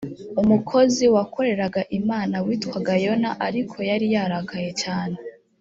umukozi wakoreraga imana witwaga yona ariko yari yarakaye cyane